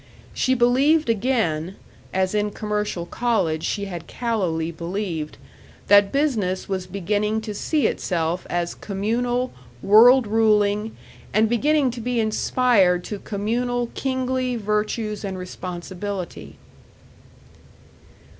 She believed again, as in commercial college she had callowly believed, that business was beginning to see itself as communal, world ruling, and beginning to be inspired to communal, kingly virtues and responsibility.